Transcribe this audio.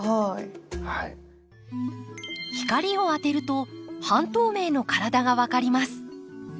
光を当てると半透明の体が分かります。